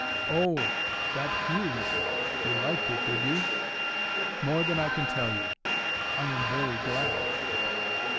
"Oh! that fugue. You liked it, did you?" "More than I can tell you." "I am very glad."